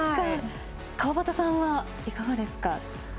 川端さんはいかがですか？